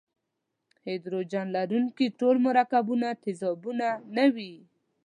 هایدروجن لرونکي ټول مرکبونه تیزابونه نه وي.